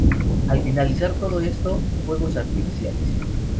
Al finalizar todo esto, fuegos artificiales.